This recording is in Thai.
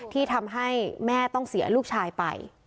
ที่ทำให้แม่ต้องเสียลูกชายไป